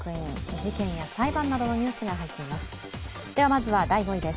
事件や裁判などのニュースが入っています。